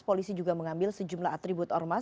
polisi juga mengambil sejumlah atribut ormas